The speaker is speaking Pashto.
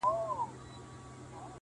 تر مخه ښې وروسته به هم تر ساعتو ولاړ وم.